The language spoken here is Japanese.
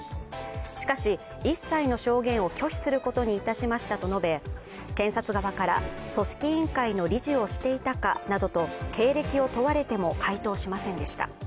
しかし、一切の証言を拒否することにいたしましたと述べ、検察側から組織委員会の理事をしていたかなどと経歴を問われても回答しませんでした。